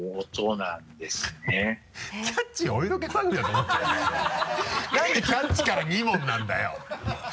なんで「キャッチ！」から２問なんだよ！